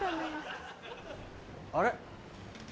あれ？